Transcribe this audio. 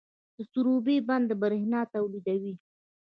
د سروبي بند بریښنا تولیدوي